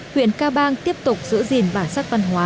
huyện ca bang tiếp tục giữ gìn bản sắc văn hóa